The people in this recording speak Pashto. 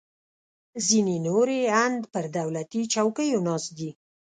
ځینې نور یې ان پر دولتي چوکیو ناست دي